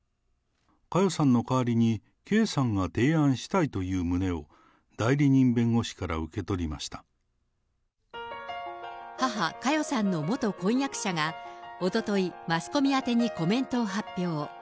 佳代さんの代わりに、圭さんが提案したいという旨を、母、佳代さんの元婚約者が、おととい、マスコミ宛てにコメントを発表。